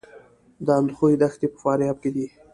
د اندخوی دښتې په فاریاب کې دي